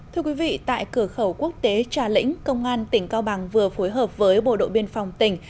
thưa quý vị tại cửa khẩu quốc tế trà lĩnh công an tỉnh cao bằng vừa phối hợp với bộ đội biên phòng tỉnh